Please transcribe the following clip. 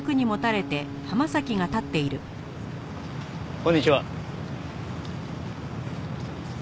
こんにちは。